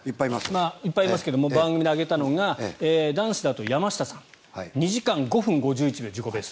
いっぱいいますけども番組で挙げたのが男子だと山下さん２時間５分５１秒。